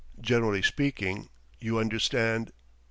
. generally speaking ... you understand